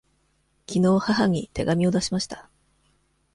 きのう母に手紙を出しました。